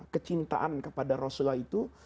kecintaan kepada rasulullah itu